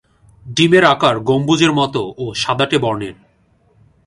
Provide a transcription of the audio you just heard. ডিমের আকার গম্বুজের মতো ও সাদাটে বর্নের।